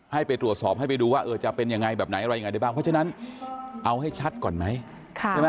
ให้ไปตรวจสอบให้ไปดูว่าเออจะเป็นยังไงแบบไหนอะไรยังไงได้บ้างเพราะฉะนั้นเอาให้ชัดก่อนไหมใช่ไหม